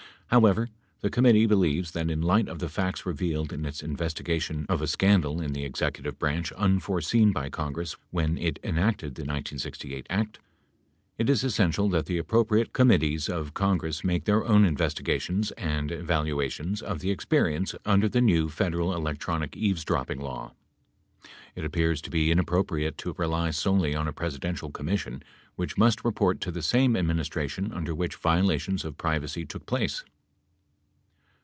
However, the committee believes that in light of the facts revealed in its investigation of a scan dal in the executive branch unforeseen by Congress when it enacted the 1968 act, it is essential that the appropriate committees of Congress make their own investigations and evaluations of the experience under the new Federal electronic eavesdropping law. It appears to be inap propriate to rely solely on a Presidential Commission which must report to the same administration under which violations of privacy took place.